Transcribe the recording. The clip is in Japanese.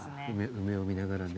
梅を見ながらね。